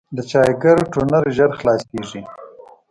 د چاپګر ټونر ژر خلاصېږي.